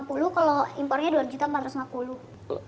kalau impornya rp dua empat ratus lima puluh